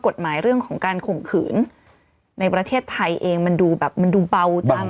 เรื่องของการข่มขืนในประเทศไทยเองมันดูแบบมันดูเบาจัง